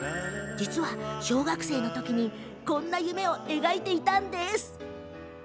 実は、小学生の時にこんな夢を描いていました。